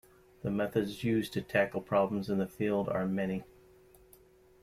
The methods used to tackle problems in this field are many.